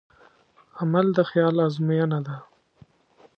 عمل د خیال ازموینه ده.